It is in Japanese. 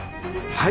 はい。